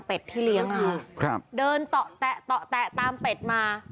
เป็ดที่เลี้ยงค่ะครับเดินตะแตะตะแตะตามเป็ดมา